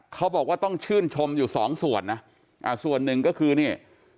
เขาบอกว่าต้องชื่นชมอยู่สองส่วนนะอ่าส่วนหนึ่งก็คือนี่